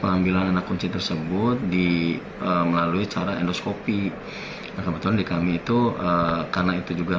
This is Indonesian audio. pengambilan anak kunci tersebut di melalui cara endoskopi kebetulan di kami itu karena itu juga